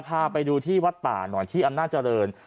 พาไปดูที่วัดป่าหน่อยที่อำนาจเจริญ